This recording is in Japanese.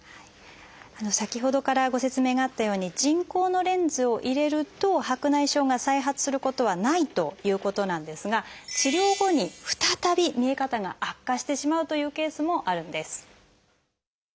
先ほどからご説明があったように人工のレンズを入れると白内障が再発することはないということなんですが治療後に再び見え方が悪化してしまうというケースもあるんです。